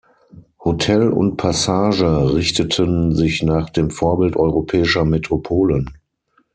Hotel und Passage richteten sich nach dem Vorbild europäischer Metropolen.